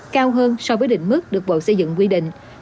cao hơn so với đỉnh mức được bộ xây dựng quy định